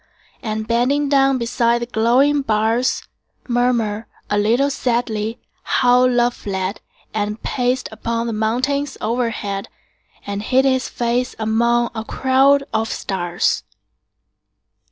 And bending down beside the glowing bars, Murmur, a little sadly, how love fled 10 And paced upon the mountains overhead, And hid his face amid a crowd of stars.